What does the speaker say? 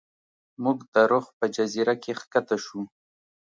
موږ د رخ په جزیره کې ښکته شو.